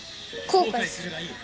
後悔するがいい